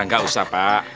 gak usah pak